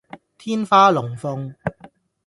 天花龍鳳